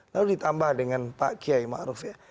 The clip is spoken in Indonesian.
lalu ditambah dengan pak kiai ma'ruf ya